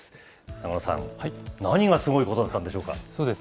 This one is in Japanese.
永野さん、何がすごいことなんでしょうか。